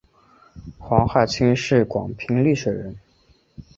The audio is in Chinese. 黄晦卿是广平丽水人。